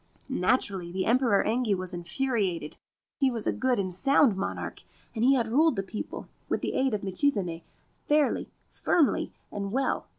Naturally the Emperor Engi was infuriated. He was a good and sound monarch, and had ruled the people, with the aid of Michizane, fairly, firmly, and well.